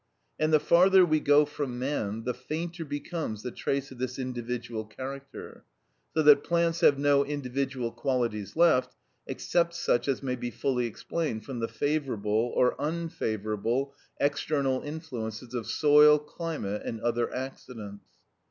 And the farther we go from man, the fainter becomes the trace of this individual character, so that plants have no individual qualities left, except such as may be fully explained from the favourable or unfavourable external influences of soil, climate, and other accidents.